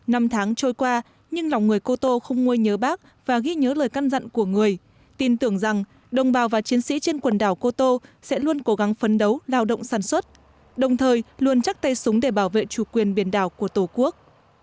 năm tháng trôi qua nhưng lòng người cô tô không nguôi nhớ bác và ghi nhớ lời căn dặn của người tin tưởng rằng đồng bào và chiến sĩ trên quần đảo cô tô sẽ luôn cố gắng phấn đấu lao động sản xuất đồng thời luôn chắc tay súng để bảo vệ chủ quyền biển đảo của tổ quốc